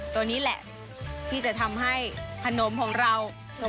ตัวนี้แหละที่จะทำให้ขนมของเรา